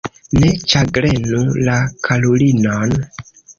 Ne ĉagrenu la karulinon.